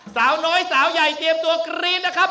สาวน้อยสาวใหญ่เตรียมตัวกรี๊ดนะครับ